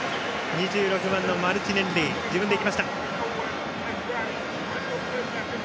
２６番のマルチネッリが自分で行きました。